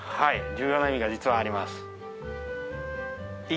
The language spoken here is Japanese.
重要な意味が実はあります。